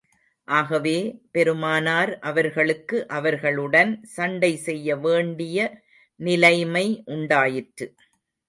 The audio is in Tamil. ஆகவே, பெருமானார் அவர்களுக்கு, அவர்களுடன் சண்டை செய்ய வேண்டிய நிலைமை உண்டாயிற்று.